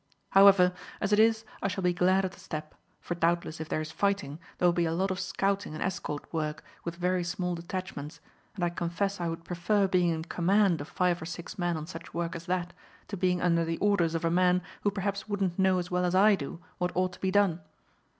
However, as it is I shall be glad of the step, for doubtless if there is fighting there will be a lot of scouting and escort work with very small detachments, and I confess I would prefer being in command of five or six men on such work as that, to being under the orders of a man who perhaps wouldn't know as well as I do what ought to be done.